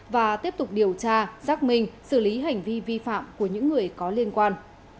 và tiếp tục điều tra xác minh xử lý hành vi vi phạm của những người có liên quan